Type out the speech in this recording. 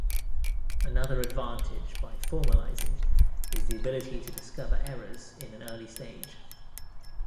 Another advantage by formalizing is the ability to discover errors in an early stage.